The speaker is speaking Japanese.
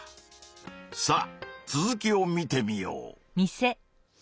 さあ続きを見てみよう。